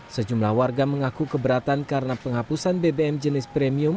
sejumlah warga mengaku keberatan karena penghapusan bbm jenis premium